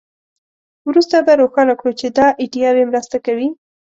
وروسته به روښانه کړو چې دا ایډیاوې مرسته کوي